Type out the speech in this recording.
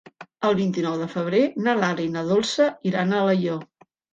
El vint-i-nou de febrer na Lara i na Dolça iran a Alaior.